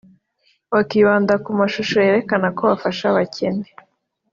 bakibanda ku mashusho yerekana ko bafasha abakene